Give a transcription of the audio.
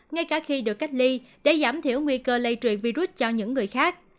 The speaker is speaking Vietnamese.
ngay cả khi được cách ly để giảm thiểu nguy cơ lây truyền virus cho những người khác